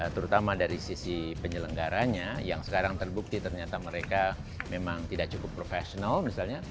terutama dari sisi penyelenggaranya yang sekarang terbukti ternyata mereka memang tidak cukup profesional misalnya